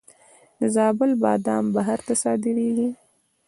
د زابل بادام بهر ته صادریږي.